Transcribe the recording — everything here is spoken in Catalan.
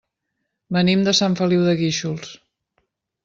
Venim de Sant Feliu de Guíxols.